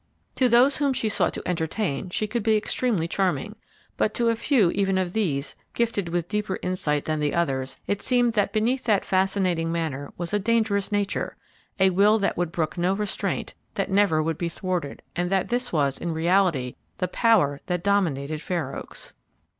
To those whom she sought to entertain she could be extremely charming, but to a few even of these, gifted with deeper insight than the others, it seemed that beneath that fascinating manner was a dangerous nature, a will that would brook no restraint, that never would be thwarted; and that this was, in reality, the power which dominated Fair Oaks.